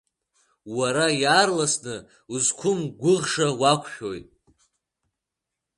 Уара иаарласны узқәымгәыӷша уақәшәоит!